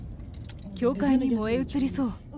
教会に燃え移りそう。